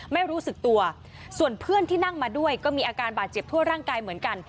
ไม่รู้สึกตัวส่วนเพื่อนที่นั่งมาด้วยก็มีอาการบาดเจ็บทั่วร่างกายเหมือนกัน